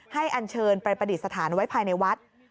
อันเชิญไปประดิษฐานไว้ภายในวัด